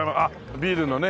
あっビールのね。